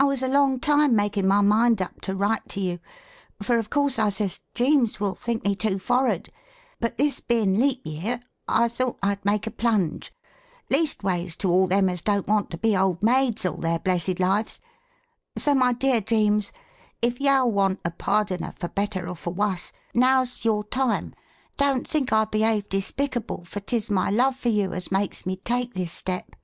i wos a Long time makin my Mind Up to rig] it to You for of Coarse i Says jemes will think me too forrad but this bein Leep yere i thout ide Make a Plunge, leastways to all Them as dont Want to Bee old Mades all their blessed lives, so my Deer Jemes if yow want a Pardoner for Better or for wus nows Your Time dont think i Behave despicable for tis my Luv for yu as makes Me take this Stepp.